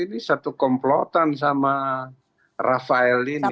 ini satu komplotan sama rafael ini